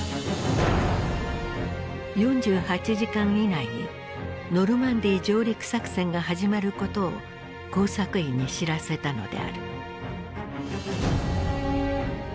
４８時間以内にノルマンディー上陸作戦が始まることを工作員に知らせたのである。